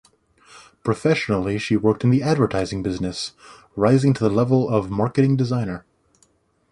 Professionally she worked in the advertising business, rising to the level of marketing designer.